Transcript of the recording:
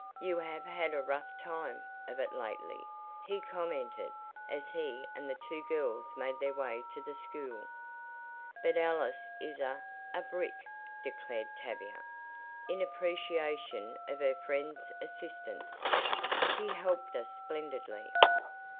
"You have had a rough time of it lately," he commented as he and the two girls made their way to the school. "But Alice is a a brick!" declared Tavia, in appreciation of her friend's assistance. "She helped us splendidly."